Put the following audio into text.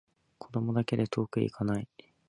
子供だけで遠くへいかない